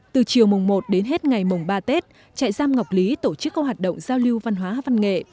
từ chiều mùng một đến hết ngày mùng ba tết trại giam ngọc lý tổ chức câu hạt động giao lưu văn hóa và văn nghệ